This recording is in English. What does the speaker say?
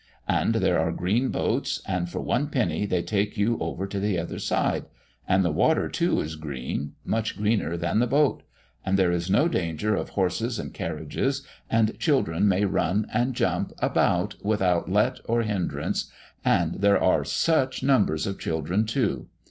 And there are green boats, and for one penny they take you over to the other side; and the water, too, is green, much greener than the boat; and there is no danger of horses and carriages, and children may run and jump about without let or hindrance, and there are such numbers of children too.